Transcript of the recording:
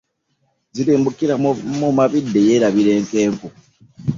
Ziribbukira mu mabidde, yeerabira enkenku.